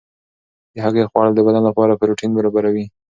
د هګۍ خوړل د بدن لپاره پروټین برابروي.